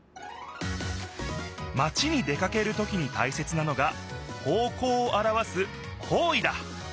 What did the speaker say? マチに出かけるときにたいせつなのが方向をあらわす「方位」だ！